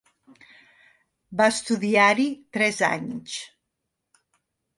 Va estudiar-hi tres anys.